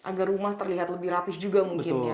agar rumah terlihat lebih rapih juga mungkin ya